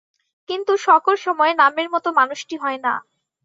কিন্তু সকল সময়ে নামের মতো মানুষটি হয় না।